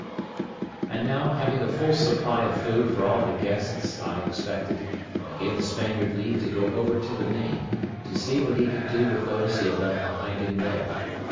And now, having a full supply of food for all the guests I expected, I gave the Spaniard leave to go over to the main, to see what he could do with those he had left behind him there.